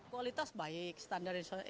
kualitas baik standar internasional